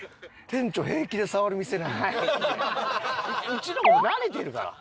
うちのは慣れてるから。